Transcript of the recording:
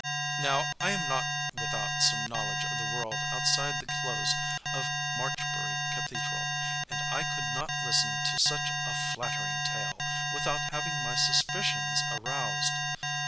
Now I am not without some knowledge of the world outside the close of Marchbury Cathedral, and I could not listen to such a "flattering tale" without having my suspicions aroused.